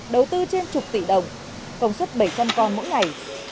đầu tư trên chục tỷ đồng công suất bảy trăm linh con mỗi ngày